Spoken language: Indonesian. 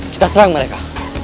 kita serang mereka